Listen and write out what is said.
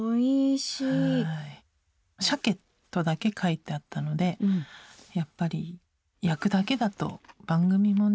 「鮭」とだけ書いてあったのでやっぱり焼くだけだと番組もね。